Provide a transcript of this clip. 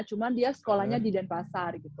cuma dia sekolahnya di denpasar gitu